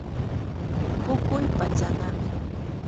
Puquy patsanami.